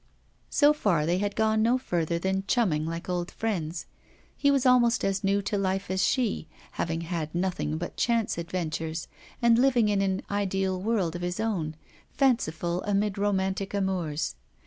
So far they had gone no further than chumming like old friends. He was almost as new to life as she, having had nothing but chance adventures, and living in an ideal world of his own, fanciful amid romantic amours.